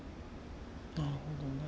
なるほどね。